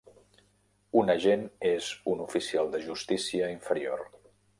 Un agent és un oficial de justícia inferior